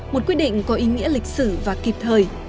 một quyết định có ý nghĩa lịch sử và kịp thời